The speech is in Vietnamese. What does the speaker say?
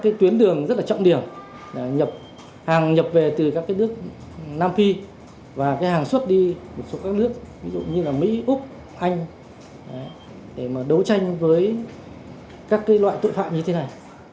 với các tuyến đường rất là trọng điểm hàng nhập về từ các nước nam phi và hàng xuất đi một số các nước như mỹ úc anh để đấu tranh với các loại tội phạm như thế này